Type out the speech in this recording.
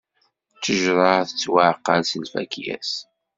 Ttejṛa tettwaɛqal s lfakya-s.